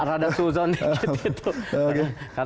rada suzon dikit itu